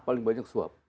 paling banyak suap